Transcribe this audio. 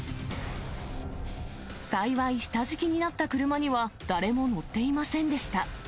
幸い、下敷きになった車には誰も乗っていませんでした。